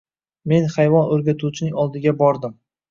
Men hayvon oʻrgatuvchining oldiga bordim.